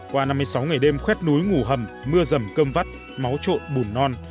qua năm mươi sáu ngày đêm khuét núi ngủ hầm mưa rầm cơm vắt máu trộn bùn non